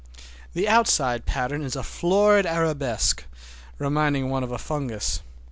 The outside pattern is a florid arabesque, reminding one of a fungus.